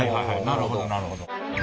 なるほどなるほど。